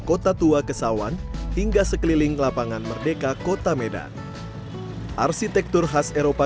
kota tua kesawan hingga sekeliling lapangan merdeka kota medan arsitektur khas eropa